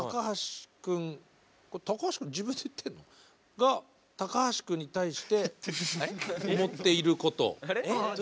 これ高橋くん自分で言ってんの？が高橋くんに対して思っていること。